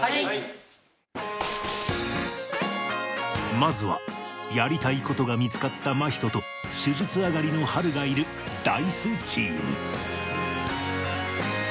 まずはやりたいことが見つかった真人と手術上がりの遼がいる Ｄａ−ｉＣＥ チーム